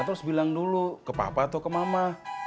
terus bilang dulu ke papa atau ke mama